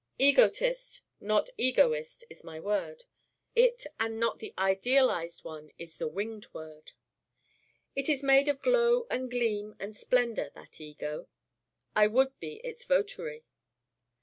Egotist, not egoist, is my word: it and not the idealized one is the 'winged word.' It is made of glow and gleam and splendor, that Ego. I would be its votary.